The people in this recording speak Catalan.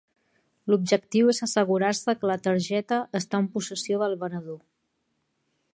L'objectiu és assegurar-se que la targeta està en possessió del venedor.